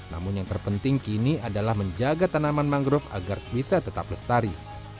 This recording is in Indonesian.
namun yang terpenting kini adalah menjaga tanaman mangrove agar bisa tetap lestari